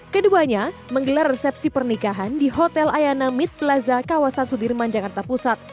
keduanya menggelar resepsi pernikahan di hotel ayana mid plaza kawasan sudirman jakarta pusat